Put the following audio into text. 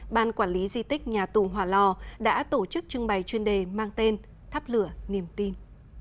ban quản lý di tích nhà tù hòa lò đã tổ chức trưng bày chuyên đề mang tên thắp lửa niềm tin